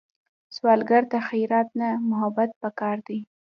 سوالګر ته خیرات نه، محبت پکار دی